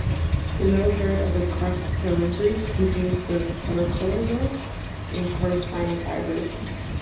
The middle third of the crus cerebri contains the corticobulbar and corticospinal fibers.